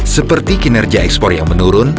seperti kinerja ekspor yang menurun